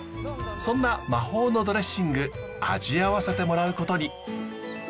そんな魔法のドレッシング味わわせてもらうことに。